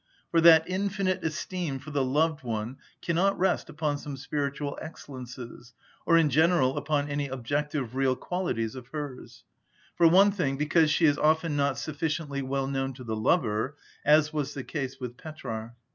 For that infinite esteem for the loved one cannot rest upon some spiritual excellences, or in general upon any objective, real qualities of hers; for one thing, because she is often not sufficiently well known to the lover, as was the case with Petrarch.